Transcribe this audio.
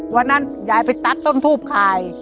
วันนั้นยายไปตัดต้นทูบขาย